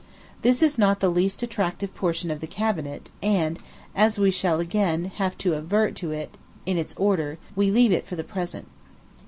This is not the least attractive portion of the cabinet, and, as we shall again, have to advert to it in its order, we leave it for the present.